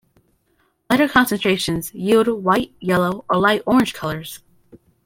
Lighter concentrations yield white, yellow, or light orange colors.